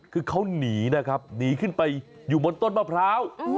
คือเขาหนีนะครับหนีขึ้นไปอยู่บนต้นมะพร้าว